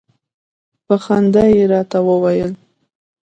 په خندا يې راته وویل.